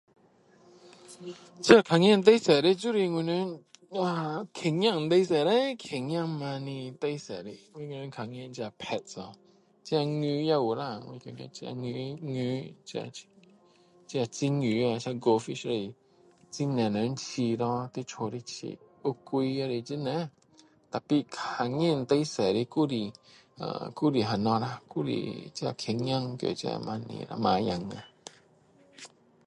这看见最多的就是我们哇狗仔最多叻狗仔猫仔最多的他们看到这 pets 吖这鱼也有啦我觉得这鱼鱼这这金鱼吖这 goldfish 也是很多人养咯在家里养乌龟也是很多可是看见最多的还是呃还是那些这狗仔这猫仔猫子